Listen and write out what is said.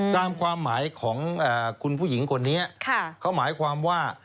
ตามความหมายของคุณผู้หญิงคนนี้เขาหมายความว่า